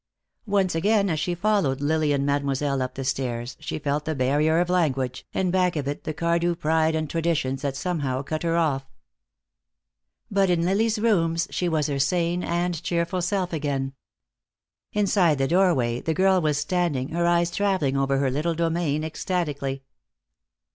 Once again as she followed Lily and Mademoiselle up the stairs she felt the barrier of language, and back of it the Cardew pride and traditions that somehow cut her off. But in Lily's rooms she was her sane and cheerful self again. Inside the doorway the girl was standing, her eyes traveling over her little domain ecstatically.